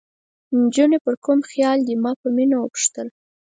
نجونې پر کوم خیال دي؟ ما په مینه وپوښتل.